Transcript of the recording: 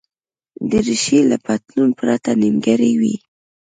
دریشي له پتلون پرته نیمګړې وي.